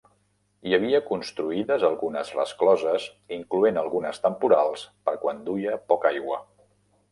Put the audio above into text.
Hi havia construïdes algunes rescloses incloent algunes temporals per quan duia poca aigua.